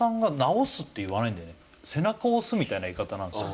背中を押すみたいな言い方なんですよ。